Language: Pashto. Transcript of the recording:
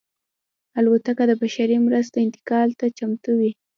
الوتکه د بشري مرستو انتقال ته چمتو وي.